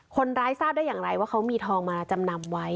คนร้ายทราบได้อย่างไรว่าเขามีทองมาจำนำไว้